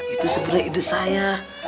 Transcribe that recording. itu sebenernya ide saya